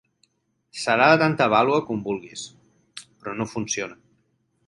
Serà de tanta vàlua com vulguis, però no funciona.